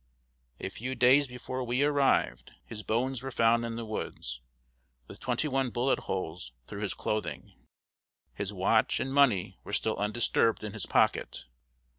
A few days before we arrived, his bones were found in the woods, with twenty one bullet holes through his clothing. His watch and money were still undisturbed in his pocket.